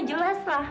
jelas lah mas